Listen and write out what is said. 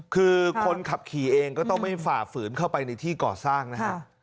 คือคนขับขี่เองก็ต้องไม่ฝ่าฝืนเข้าไปในที่ก่อสร้างนะฮะ